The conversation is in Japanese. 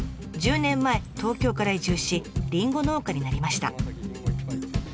１０年前東京から移住しりんご農家になりました。